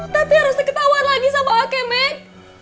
tapi harus diketahuan lagi sama akemet